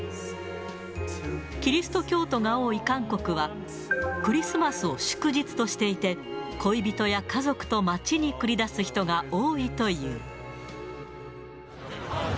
キリスト教徒が多い韓国は、クリスマスを祝日としていて、恋人や家族と街に繰り出す人が多いという。